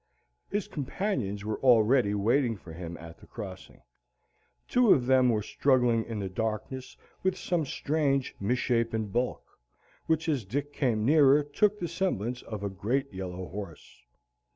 His companions were already waiting for him at the crossing. Two of them were struggling in the darkness with some strange misshapen bulk, which as Dick came nearer took the semblance of a great yellow horse.